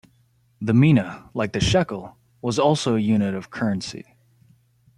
The mina, like the shekel, was also a unit of currency.